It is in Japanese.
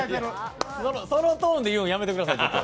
そのトーンで言うのやめてください。